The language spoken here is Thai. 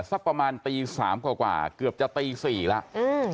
สักประมาณตี๓กว่าเกือบจะตี๔แล้ว